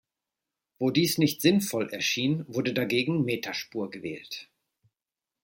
Wo dies nicht sinnvoll erschien, wurde dagegen Meterspur gewählt.